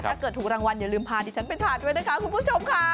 ถูกรางวัลอย่าลืมพาดิฉันไปทานด้วยนะคะคุณผู้ชมค่ะ